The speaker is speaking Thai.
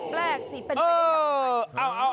แปลกสิเป็นข้าง